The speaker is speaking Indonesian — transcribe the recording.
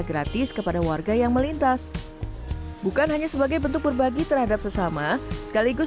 gratis kepada warga yang melintas bukan hanya sebagai bentuk berbagi terhadap sesama sekaligus